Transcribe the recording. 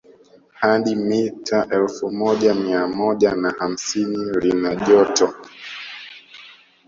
Hadi mita elfu moja mia moja na hamsini lina jopto